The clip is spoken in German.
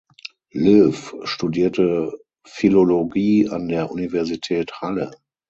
Loew studierte Philologie an der Universität Halle.